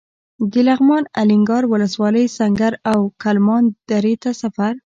د لغمان الینګار ولسوالۍ سنګر او کلمان درې ته سفر.